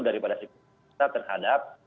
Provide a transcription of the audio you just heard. daripada sikap pemerintah terhadap